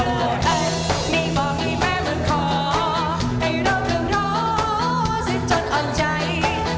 ตัวอันให้บอกให้แม่มันขอให้เราเติมร้อนสิ้นจนอ่อนใจ